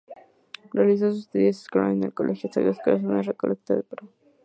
Realizó sus estudios escolares en el Colegio Sagrados Corazones Recoleta de Perú.